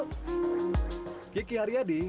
yang penting jangan lupa sarapan yuk